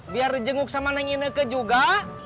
biar rejenguk sama nengineke juga